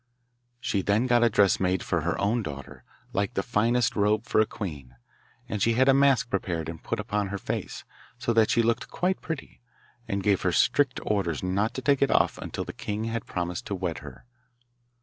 She then got a dress made for her own daughter, like the finest robe for a queen, and she had a mask prepared and put upon her face, so that she looked quite pretty, and gave her strict orders not to take it off until the king had promised to wed her.